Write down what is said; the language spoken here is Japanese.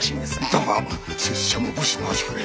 だが拙者も武士の端くれ。